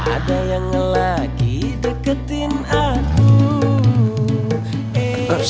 ada yang lagi deketin aduh